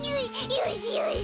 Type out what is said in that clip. よしよし。